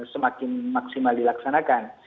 semakin maksimal dilaksanakan